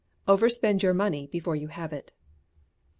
[NEVER SPEND YOUR MONEY BEFORE YOU HAVE IT.